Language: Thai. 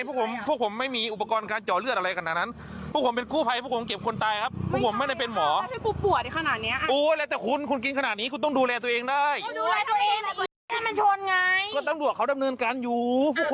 หุ้นพวกเก่าบวนพูดให้พวกผมผมขออัดวีดีโอนะครับเดี๋ยวพวก